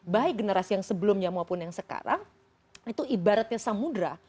baik generasi yang sebelumnya maupun yang sekarang itu ibaratnya samudera